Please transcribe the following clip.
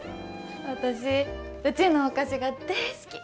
私うちのお菓子が大好き。